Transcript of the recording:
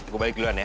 gue balik duluan ya